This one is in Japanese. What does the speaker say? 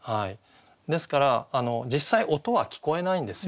ですから実際音は聞こえないんですよ。